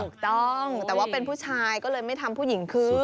ถูกต้องแต่ว่าเป็นผู้ชายก็เลยไม่ทำผู้หญิงขึ้น